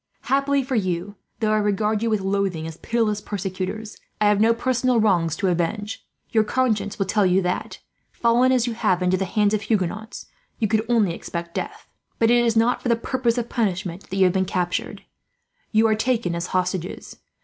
"Happily for you, though I regard you with loathing as pitiless persecutors, I have no personal wrongs to avenge. Your conscience will tell you that, fallen as you have into the hands of Huguenots, you could only expect death; but it is not for the purpose of punishment that you have been captured. You are taken as hostages.